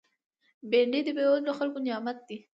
بېنډۍ د بېوزلو خلکو نعمت دی